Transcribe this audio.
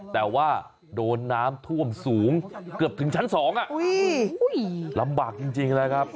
แต่ว่าโดนน้ำท่วมสูงเกือบถึงชั้น๒ลำบากจริงนะครับ